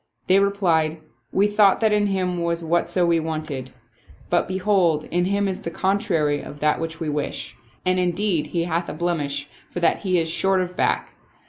They replied, " We thought that in him was whatso we wanted ; but, behold, in 92 The Withered Hand him is the contrary of that which we wish; and indeed he hath a blemish, for that he is short of back."